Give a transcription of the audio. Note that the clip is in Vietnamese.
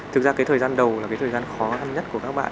thực ra cái thời gian đầu là cái thời gian khó khăn nhất của các bạn